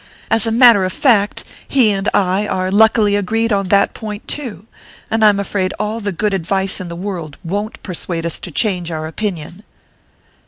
As a matter of fact, he and I are luckily agreed on that point too and I'm afraid all the good advice in the world won't persuade us to change our opinion!"